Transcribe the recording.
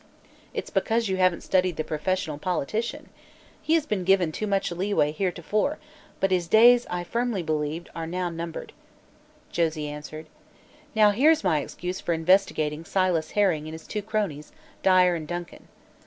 "It's because you haven't studied the professional politician. He has been given too much leeway heretofore, but his days, I firmly believe, are now numbered," Josie answered. "Now, here's my excuse for investigating Silas Herring and his two cronies, Dyer and Duncan.